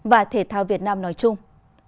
và thể thao việt nam nói chung